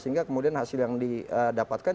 sehingga kemudian hasil yang didapatkan